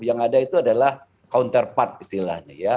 yang ada itu adalah counterpart istilahnya ya